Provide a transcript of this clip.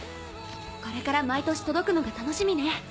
これから毎年届くのが楽しみね。